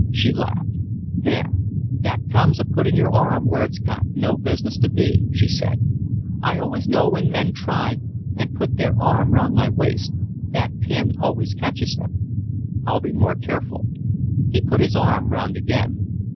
She laughed. "There, that comes of putting your arm where it's got no business to be," she said. "I always know when men try and put their arm round my waist. That pin always catches them." "I'll be more careful." He put his arm round again.